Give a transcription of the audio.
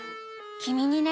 きみにね